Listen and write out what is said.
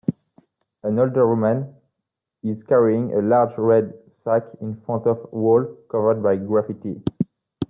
An older woman is carrying a large red sack in front of a wall covered by graffiti